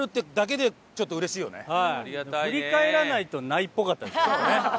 振り返らないとないっぽかったですよね。